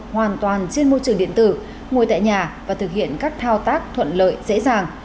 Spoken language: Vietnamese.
hoàn toàn trên môi trường điện tử ngồi tại nhà và thực hiện các thao tác thuận lợi dễ dàng